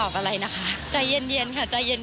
ใช่จริง